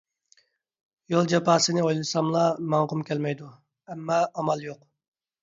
يول جاپاسىنى ئويلىساملا ماڭغۇم كەلمەيدۇ. ئەمما ئامال يوق.